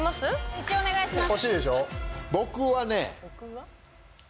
一応お願いします。